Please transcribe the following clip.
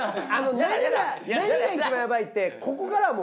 何が一番ヤバいって。